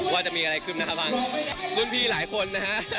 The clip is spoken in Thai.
ว่าจะมีอะไรขึ้นหน้าบ้างรุ่นพี่หลายคนนะฮะ